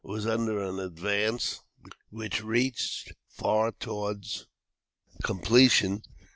was under an advance which reached far towards completion.